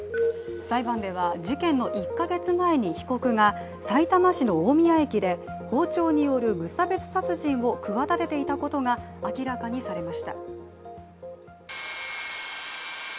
裁判では、事件の１か月前に被告がさいたま市の大宮駅で包丁による無差別殺人を企てていたことが明らかにされました。